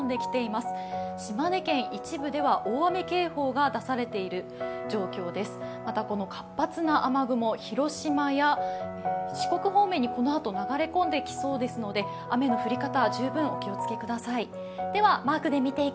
また、この活発な雨雲、広島や四国方面にこのあと流れ込んでいきそうですので雨の降り方、十分お気をつけください。